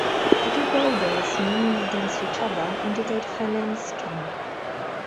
The two boulders leaning against each other indicate Helene's Tomb.